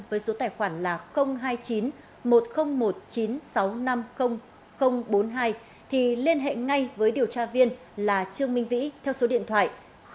với số tài khoản là hai mươi chín một nghìn một mươi chín sáu trăm năm mươi bốn mươi hai thì liên hệ ngay với điều tra viên là trương minh vĩ theo số điện thoại